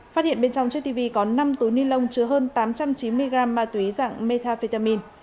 phát hiện bên trong chiếc tv có năm túi ni lông chứa hơn tám trăm chín mươi gram ma túy dạng metafetamin